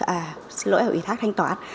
à xin lỗi ủy thác thanh toán